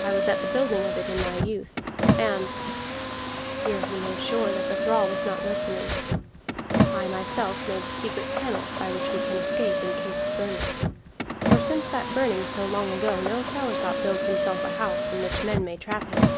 I was at the building of it in my youth, and" (here he made sure that the thrall was not listening) "I myself made the secret panels by which we can escape in case of burning. For since that burning so long ago, no Soursop builds himself a house in which men may trap him."